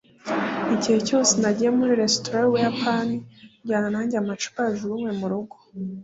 igihe cyose nagiye muri resitora yubuyapani, njyana nanjye amacupa yajugunywe murugo